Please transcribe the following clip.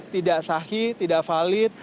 tidak sahih tidak valid